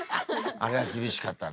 あれは厳しかったね。